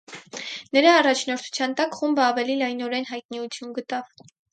Նրա առաջնորդության տակ խումբը ավելի լայնորեն հայտնիություն գտավ։